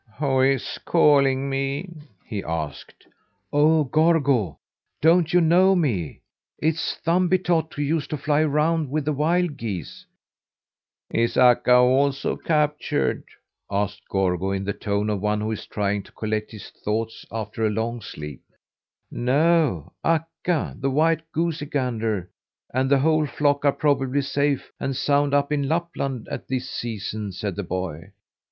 "Who is calling me?" he asked. "Oh, Gorgo! Don't you know me? It's Thumbietot who used to fly around with the wild geese." "Is Akka also captured?" asked Gorgo in the tone of one who is trying to collect his thoughts after a long sleep. "No; Akka, the white goosey gander, and the whole flock are probably safe and sound up in Lapland at this season," said the boy.